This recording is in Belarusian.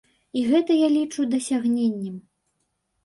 І гэта я лічу дасягненнем.